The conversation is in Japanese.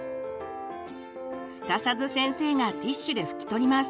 すかさず先生がティシュで拭き取ります。